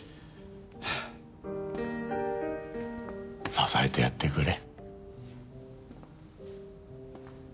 支えてやってくれ。